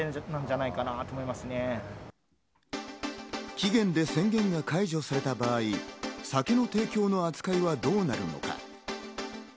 期限で宣言が解除された場合、酒の提供の扱いはどうなるのか。